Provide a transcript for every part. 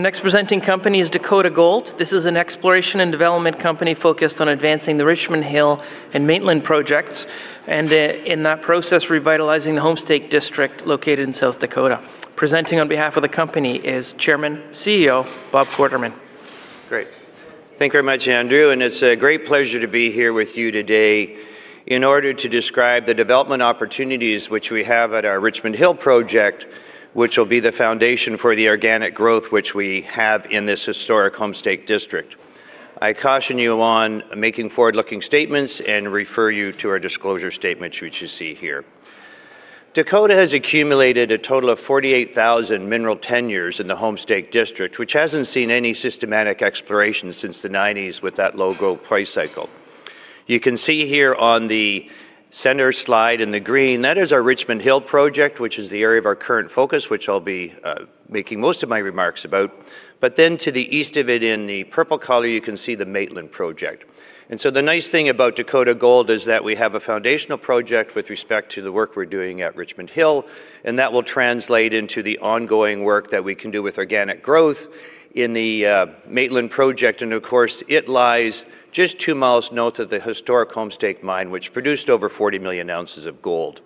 The next presenting company is Dakota Gold. This is an exploration and development company focused on advancing the Richmond Hill and Maitland projects, and, in that process, revitalizing the Homestake District located in South Dakota. Presenting on behalf of the company is Chairman, CEO, Bob Quartermain. Great. Thank you very much, Andrew, and it's a great pleasure to be here with you today in order to describe the development opportunities which we have at our Richmond Hill project, which will be the foundation for the organic growth which we have in this historic Homestake District. I caution you on making forward-looking statements and refer you to our disclosure statements, which you see here. Dakota has accumulated a total of 48,000 mineral tenures in the Homestake District, which hasn't seen any systematic exploration since the 1990s with that low gold price cycle. You can see here on the center slide in the green, that is our Richmond Hill project, which is the area of our current focus, which I'll be making most of my remarks about. To the east of it, in the purple color, you can see the Maitland project. The nice thing about Dakota Gold is that we have a foundational project with respect to the work we're doing at Richmond Hill, and that will translate into the ongoing work that we can do with organic growth in the Maitland Project, and of course, it lies just 2 mi north of the historic Homestake Mine, which produced over 40 million ounces of gold.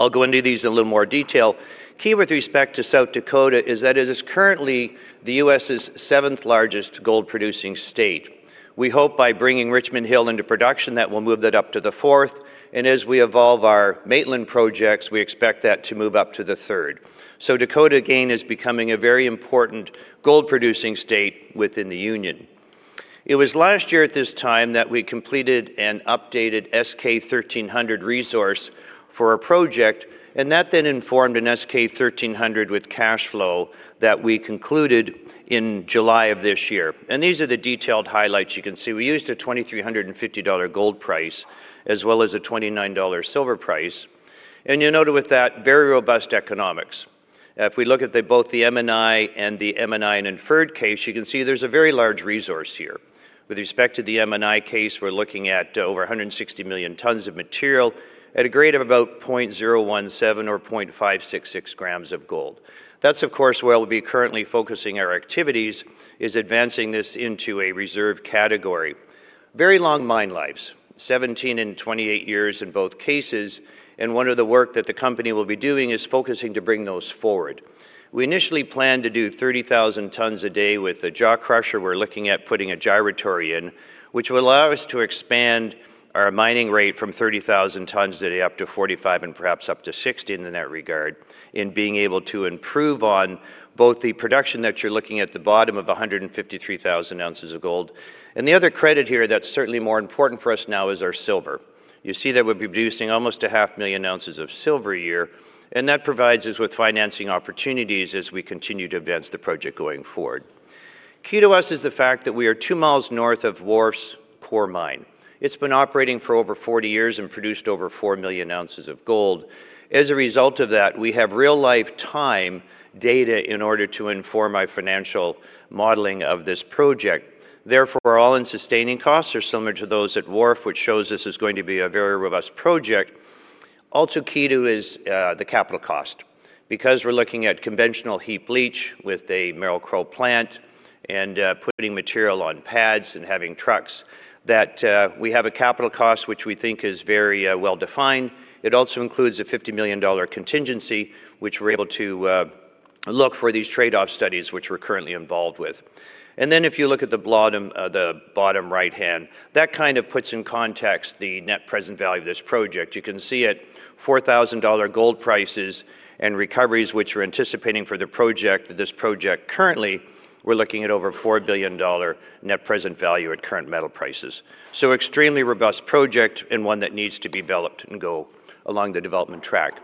I'll go into these in a little more detail. Key with respect to South Dakota is that it is currently the US' 7th-largest gold-producing state. We hope by bringing Richmond Hill into production, that will move that up to the 4th, and as we evolve our Maitland Projects, we expect that to move up to the 3rd. Dakota, again, is becoming a very important gold-producing state within the Union. It was last year at this time that we completed an updated S-K 1300 resource for our project. That then informed an S-K 1300 with cash flow that we concluded in July of this year. These are the detailed highlights you can see. We used a $2,350 gold price, as well as a $29 silver price, and you'll note with that, very robust economics. If we look at both the M&I and inferred case, you can see there's a very large resource here. With respect to the M&I case, we're looking at over 160 million tons of material at a grade of about 0.017 or 0.566 g of gold. That's, of course, where we'll be currently focusing our activities, is advancing this into a reserve category. Very long mine lives, 17 and 28 years in both cases, and one of the work that the company will be doing is focusing to bring those forward. We initially planned to do 30,000 tons a day with a jaw crusher. We're looking at putting a gyratory in, which will allow us to expand our mining rate from 30,000 tons a day up to 45 and perhaps up to 60 in that regard, in being able to improve on both the production that you're looking at the bottom of 153,000 oz of gold. The other credit here that's certainly more important for us now is our silver. You see that we'll be producing almost a half million ounces of silver a year, and that provides us with financing opportunities as we continue to advance the project going forward. Key to us is the fact that we are 2 mi North of Wharf Coeur Mine. It's been operating for over 40 years and produced over 4 million ounces of gold. As a result of that, we have real-life time data in order to inform our financial modeling of this project. All-in sustaining costs are similar to those at Wharf, which shows this is going to be a very robust project. Also key to is the capital cost, because we're looking at conventional heap leach with a Merrill-Crowe plant and putting material on pads and having trucks, that we have a capital cost, which we think is very well-defined. It also includes a $50 million contingency, which we're able to look for these trade-off studies, which we're currently involved with. If you look at the bottom, the bottom right-hand, that kind of puts in context the net present value of this project. You can see at $4,000 gold prices and recoveries, which we're anticipating for the project, this project currently, we're looking at over $4 billion net present value at current metal prices. Extremely robust project and one that needs to be developed and go along the development track.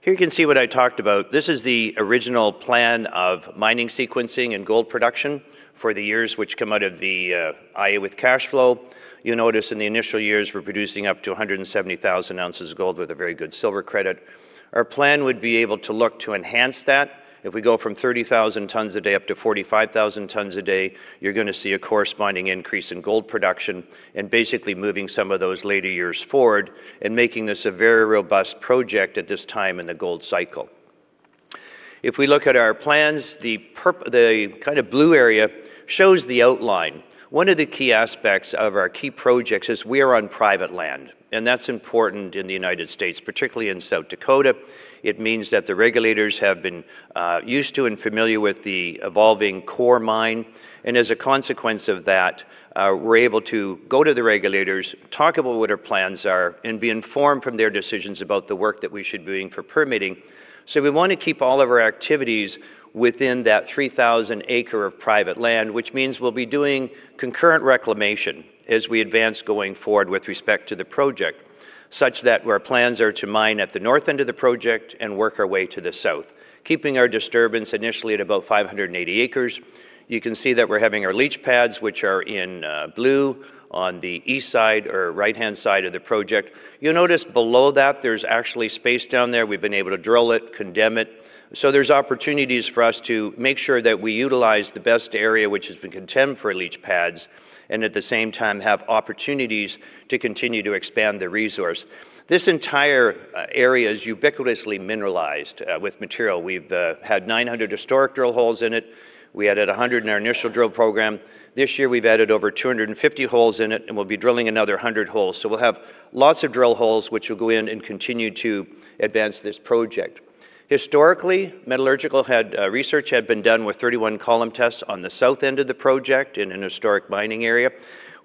Here you can see what I talked about. This is the original plan of mining, sequencing, and gold production for the years which come out of the IE with cash flow. You'll notice in the initial years, we're producing up to 170,000 oz of gold with a very good silver credit. Our plan would be able to look to enhance that. If we go from 30,000 tons a day up to 45,000 tons a day, you're gonna see a corresponding increase in gold production and basically moving some of those later years forward and making this a very robust project at this time in the gold cycle. If we look at our plans, the kind of blue area shows the outline. One of the key aspects of our key projects is we are on private land, and that's important in the United States, particularly in South Dakota. It means that the regulators have been used to and familiar with the evolving Coeur Mine, and as a consequence of that, we're able to go to the regulators, talk about what our plans are, and be informed from their decisions about the work that we should be doing for permitting. We want to keep all of our activities within that 3,000 acre of private land, which means we'll be doing concurrent reclamation as we advance going forward with respect to the project, such that our plans are to mine at the north end of the project and work our way to the south, keeping our disturbance initially at about 580 acres. You can see that we're having our leach pads, which are in blue on the east side or right-hand side of the project. You'll notice below that there's actually space down there. We've been able to drill it, condemn it. There's opportunities for us to make sure that we utilize the best area, which has been condemned for leach pads, and at the same time, have opportunities to continue to expand the resource. This entire area is ubiquitously mineralized with material. We've had 900 historic drill holes in it. We added 100 in our initial drill program. This year, we've added over 250 holes in it, and we'll be drilling another 100 holes. We'll have lots of drill holes, which will go in and continue to advance this project. Historically, metallurgical research had been done with 31 column tests on the south end of the project in an historic mining area.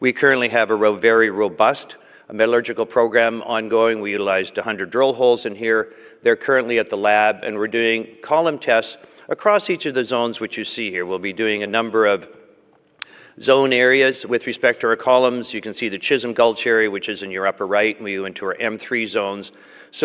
We currently have a very robust metallurgical program ongoing. We utilized 100 drill holes in here. They're currently at the lab, and we're doing column tests across each of the zones, which you see here. We'll be doing a number of zone areas with respect to our columns. You can see the Chism Gulch area, which is in your upper right, when you enter our M3 zones.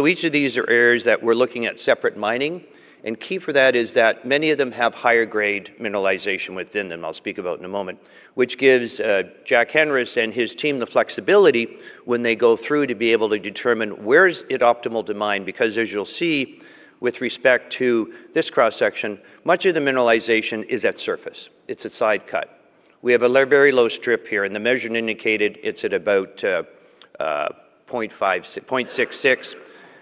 Each of these are areas that we're looking at separate mining, and key for that is that many of them have higher grade mineralization within them, I'll speak about in a moment, which gives Jack Henris and his team the flexibility when they go through to be able to determine where is it optimal to mine. As you'll see, with respect to this cross section, much of the mineralization is at surface. It's a side cut. We have a low, very low strip here, and the measured indicated it's at about 0.5, 0.66,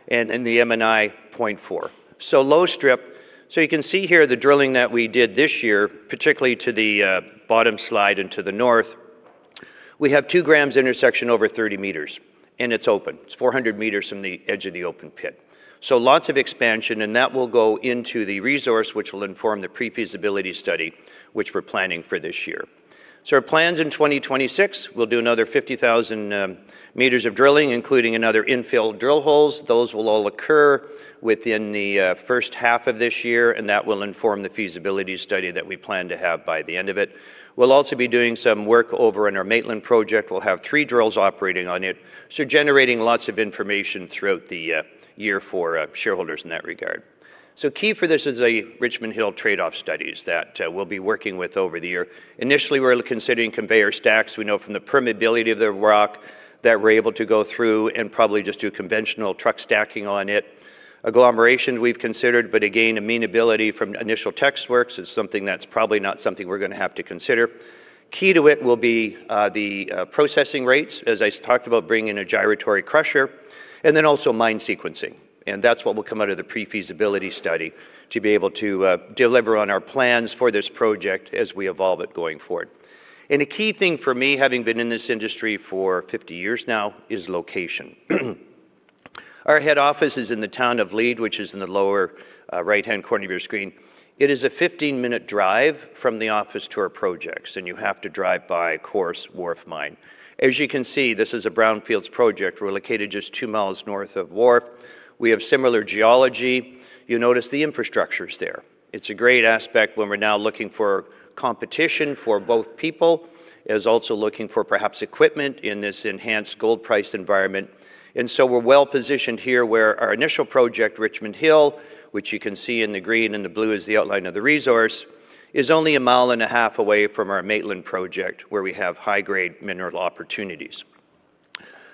and then the M&I, 0.4. Low strip. You can see here the drilling that we did this year, particularly to the bottom slide into the north. We have 2 g intersection over 30 m, and it's open. It's 400 m from the edge of the open pit. Lots of expansion, and that will go into the resource, which will inform the pre-feasibility study, which we're planning for this year. Our plans in 2026, we'll do another 50,000 m of drilling, including another infill drill holes. Those will all occur within the first half of this year, and that will inform the feasibility study that we plan to have by the end of it. We'll also be doing some work over in our Maitland Project. We'll have three drills operating on it, so generating lots of information throughout the year for shareholders in that regard. Key for this is a Richmond Hill trade-off studies that we'll be working with over the year. Initially, we're considering conveyor stacks. We know from the permeability of the rock that we're able to go through and probably just do conventional truck stacking on it. Agglomeration, we've considered, but again, amenability from initial test works is something that's probably not something we're gonna have to consider. Key to it will be the processing rates, as I talked about, bringing a gyratory crusher, and then also mine sequencing, and that's what will come out of the pre-feasibility study, to be able to deliver on our plans for this project as we evolve it going forward. A key thing for me, having been in this industry for 50 years now, is location. Our head office is in the town of Lead, which is in the lower, right-hand corner of your screen. It is a 15-minute drive from the office to our projects, and you have to drive by Coeur Wharf Mine. As you can see, this is a Brownfields project. We're located just two miles north of Wharf. We have similar geology. You notice the infrastructure's there. It's a great aspect when we're now looking for competition for both people, as also looking for perhaps equipment in this enhanced gold price environment. We're well-positioned here where our initial project, Richmond Hill, which you can see in the green and the blue, is the outline of the resource, is only a mile and a half away from our Maitland project, where we have high-grade mineral opportunities.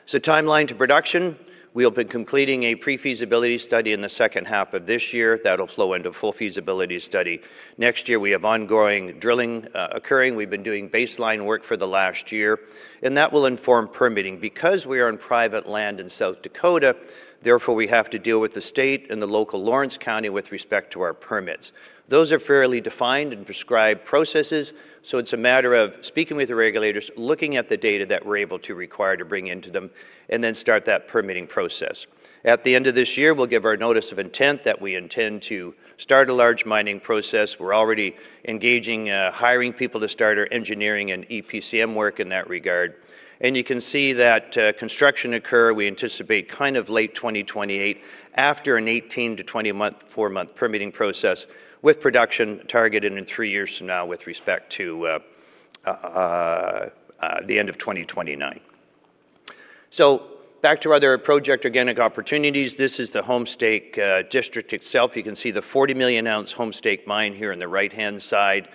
Timeline to production, we'll be completing a pre-feasibility study in the second half of this year. That'll flow into full feasibility study. Next year, we have ongoing drilling occurring. We've been doing baseline work for the last year, and that will inform permitting. We are on private land in South Dakota, therefore, we have to deal with the state and the local Lawrence County with respect to our permits. Those are fairly defined and prescribed processes, so it's a matter of speaking with the regulators, looking at the data that we're able to require to bring into them, and then start that permitting process. At the end of this year, we'll give our Notice of Intent that we intend to start a large mining process. We're already engaging hiring people to start our engineering and EPCM work in that regard. You can see that, construction occur, we anticipate kind of late 2028, after an 18-20 month, 4-month permitting process, with production targeted in three years from now with respect to the end of 2029. Back to our other project, organic opportunities. This is the Homestake District itself. You can see the 40 million ounce Homestake Mine here in the right-hand side.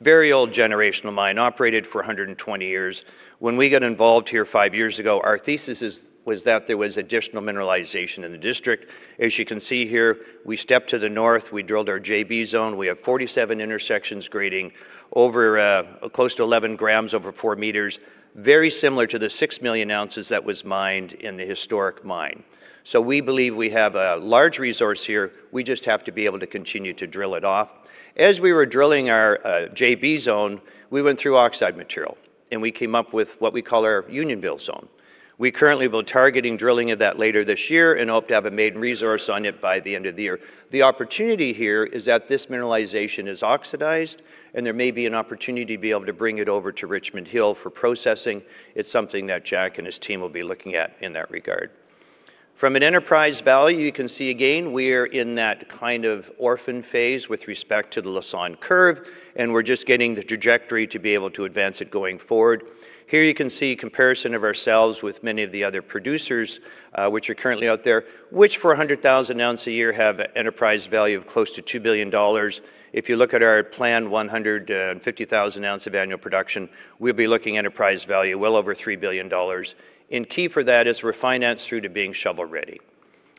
Very old generational mine, operated for 120 years. When we got involved here 5 years ago, our thesis is, was that there was additional mineralization in the district. You can see here, we stepped to the north, we drilled our JB Zone. We have 47 intersections grading over, close to 11 g over 4 m, very similar to the 6 million ounces that was mined in the historic mine. We believe we have a large resource here, we just have to be able to continue to drill it off. As we were drilling our JB Zone, we went through oxide material, and we came up with what we call our Unionville Zone. We currently will targeting drilling of that later this year and hope to have a maiden resource on it by the end of the year. The opportunity here is that this mineralization is oxidized, and there may be an opportunity to be able to bring it over to Richmond Hill for processing. It's something that Jack and his team will be looking at in that regard. From an enterprise value, you can see again, we're in that kind of orphan phase with respect to the Lassonde Curve, and we're just getting the trajectory to be able to advance it going forward. Here you can see comparison of ourselves with many of the other producers, which are currently out there, which for 100,000 ounces a year, have an enterprise value of close to $2 billion. If you look at our planned 150,000 ounces of annual production, we'll be looking enterprise value well over $3 billion. Key for that is we're financed through to being shovel-ready.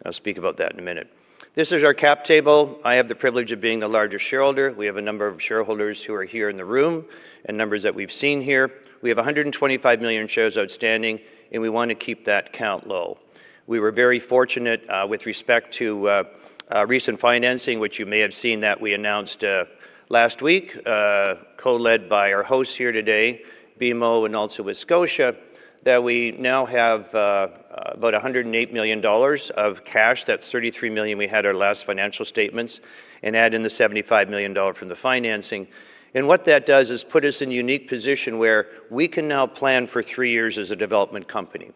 I'll speak about that in a minute. This is our cap table. I have the privilege of being the larger shareholder. We have a number of shareholders who are here in the room and numbers that we've seen here. We have 125 million shares outstanding, and we want to keep that count low. We were very fortunate, with respect to, recent financing, which you may have seen that we announced, last week, co-led by our host here today, BMO, and also with Scotia, that we now have, about $108 million of cash. That's $33 million we had our last financial statements. Add in the $75 million from the financing. What that does is put us in a unique position where we can now plan for three years as a development company.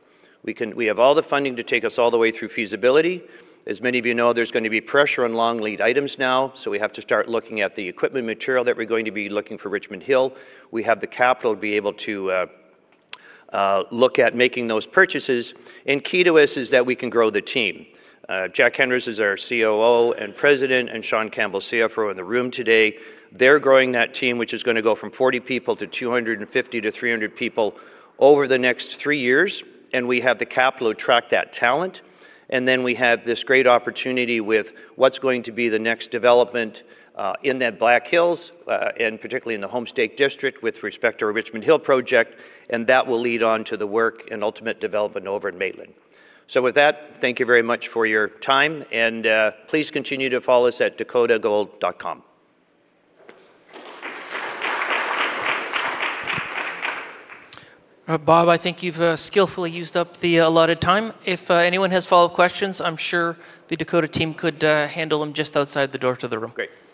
We have all the funding to take us all the way through feasibility. As many of you know, there's going to be pressure on long lead items now, so we have to start looking at the equipment material that we're going to be looking for Richmond Hill. We have the capital to be able to look at making those purchases, and key to us is that we can grow the team. Jack Henris is our COO and President, and Shawn Campbell, CFO, in the room today. They're growing that team, which is gonna go from 40 people to 250-300 people over the next 3 years, and we have the capital to attract that talent. We have this great opportunity with what's going to be the next development in the Black Hills, and particularly in the Homestake District, with respect to our Richmond Hill Project, and that will lead on to the work and ultimate development over in Maitland. Thank you very much for your time, please continue to follow us at dakotagoldcorp.com. Bob, I think you've skillfully used up the allotted time. If anyone has follow-up questions, I'm sure the Dakota team could handle them just outside the door to the room. Great. Thank you.